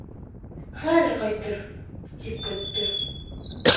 Хәҙер ҡайтыр, тип көттө.